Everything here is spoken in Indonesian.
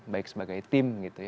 baik sebagai tim gitu ya